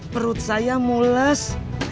perut saya mules